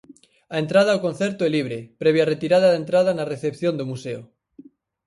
A entrada ao concerto é libre previa retirada de entrada na recepción do Museo.